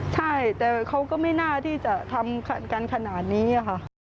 ใช่แต่เขาก็ไม่น่าที่จะทำกันขนาดนี้ค่ะ